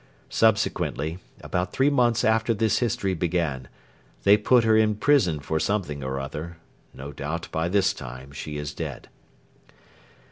Subsequently, about three months after this history began, they put her in prison for something or other. No doubt by this time she is dead.